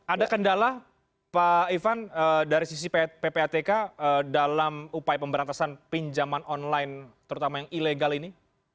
ada kendala pak ivan dari sisi ppatk dalam upaya pemberantasan pinjaman online terutama yang ilegal ini